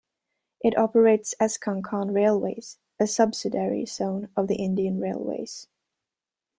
It operates the Konkan Railways, a subsidiary zone of the Indian Railways.